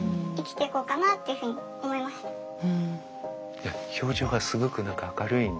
いや表情がすごく何か明るいなと。